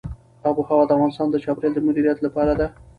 آب وهوا د افغانستان د چاپیریال د مدیریت لپاره ده.